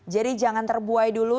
jadi jangan terbuai dulu